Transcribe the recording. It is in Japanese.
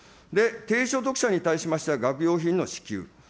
低所得者に対しましては学用品の支給。